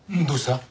どうした？